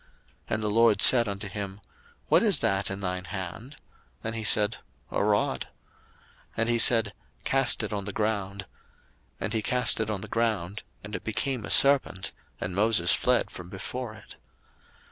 02:004:002 And the LORD said unto him, What is that in thine hand? And he said, A rod. 02:004:003 And he said, Cast it on the ground. And he cast it on the ground, and it became a serpent; and Moses fled from before it.